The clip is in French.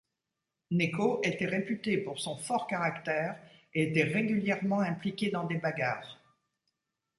Neco était réputé pour son fort caractère et était régulièrement impliqué dans des bagarres.